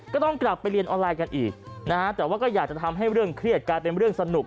ก็ต้องกลับไปเรียนออนไลน์กันอีกนะฮะแต่ว่าก็อยากจะทำให้เรื่องเครียดกลายเป็นเรื่องสนุก